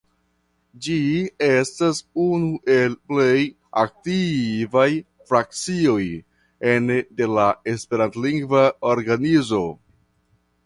Ĝi estas unu el plej aktivaj frakcioj ene de la esperantlingva organizo.